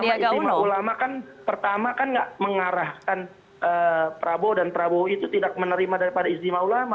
iya kalau ijtima ulama kan pertama nggak mengarahkan prabowo dan prabowo itu tidak menerima daripada ijtima ulama